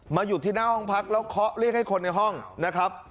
หยุดที่หน้าห้องพักแล้วเคาะเรียกให้คนในห้องนะครับ